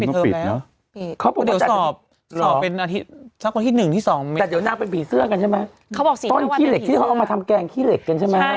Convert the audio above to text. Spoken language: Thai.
ตอนที่เหล็กซึ่งเขาเอามาทำแกลงขี้เหล็กกันใช่ไหม